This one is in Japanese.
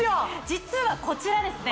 実はこちらですね